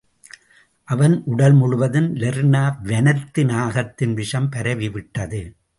அவன் உடல் முழுதும் லெர்னா வனத்து நாகத்தின் விஷம் பரவிவிட்டது.